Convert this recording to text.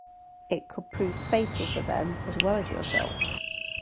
It could prove fatal for them as well as yourself.